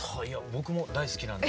僕も大好きなんで。